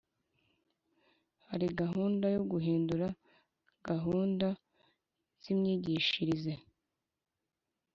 Hari gahunda yo guhindura gahunda z’ imyigishirize